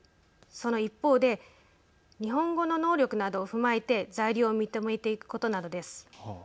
その一方で日本語の能力などを踏まえて在留を認めていくことなどです。